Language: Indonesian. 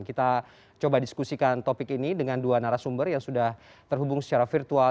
kita coba diskusikan topik ini dengan dua narasumber yang sudah terhubung secara virtual